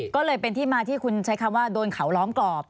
ก็เลยเป็นที่มาที่คุณใช้คำว่าโดนเขาล้อมกรอบ